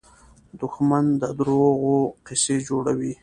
دښمن د دروغو قصې جوړوي